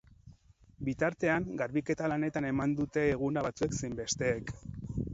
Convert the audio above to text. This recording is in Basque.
Bitartean, garbiketa lanetan eman dute eguna batzuek zein besteek.